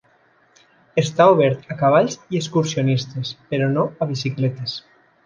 Està obert a cavalls i excursionistes, però no a bicicletes.